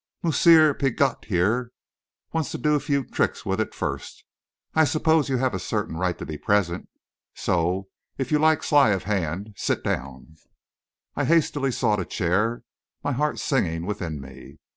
Moosseer Piggott here wants to do a few tricks with it first. I suppose you have a certain right to be present so, if you like sleight of hand, sit down." I hastily sought a chair, my heart singing within me.